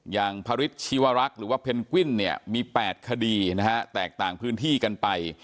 อย่างพระฤทธิวรักษ์หรือว่าเพนกวิ้นเนี่ยมี๘คดีนะฮะแตกต่างพื้นที่กันไป